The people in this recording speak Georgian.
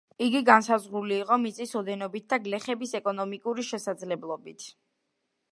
იგი განსაზღვრული იყო მიწის ოდენობით და გლეხების ეკონომიკური შესაძლებლობით.